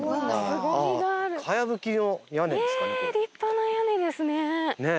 ええ立派な屋根ですね。